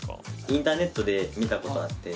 インターネットで見たことあって。